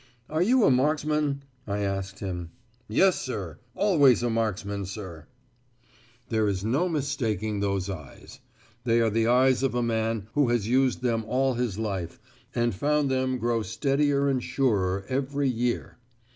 "Are you a marksman?" I asked him. "Yes, sir! Always a marksman, sir." There is no mistaking those eyes. They are the eyes of a man who has used them all his life, and found them grow steadier and surer every year.